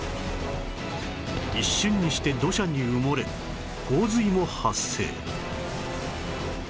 一瞬にして土砂に埋もれ洪水も発生